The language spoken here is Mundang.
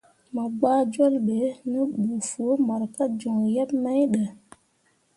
Mo gɓah jol be ne ɓə foo mor ka joŋ yebmain ɗə.